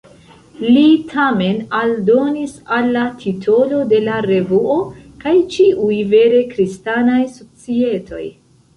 Li tamen aldonis al la titolo de la revuo "kaj ĉiuj vere Kristanaj Societoj".